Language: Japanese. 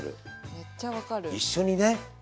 めっちゃ分かる。